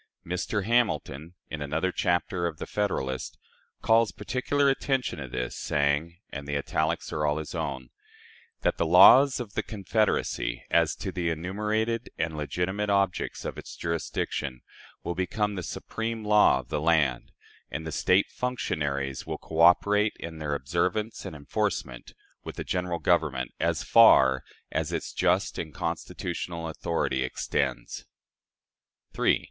Mr. Hamilton, in another chapter of the "Federalist," calls particular attention to this, saying (and the italics are all his own) "that the laws of the Confederacy, as to the enumerated and legitimate objects of its jurisdiction, will become the supreme law of the land," and that the State functionaries will coöperate in their observance and enforcement with the General Government, "as far as its just and constitutional authority extends." 3.